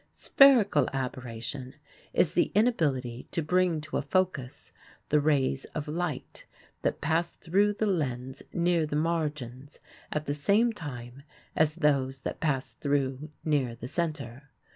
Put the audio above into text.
Spherical aberration is the inability to bring to a focus the rays of light that pass through the lens near the margins at the same time as those that pass through near the center.